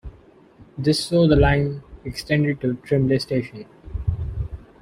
This saw the line extended to Trimley station.